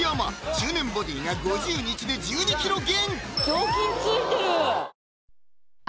１０年ボディーが５０日で１２ｋｇ減！